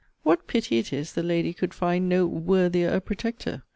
What pity it is the lady could find no 'worthier a protector!'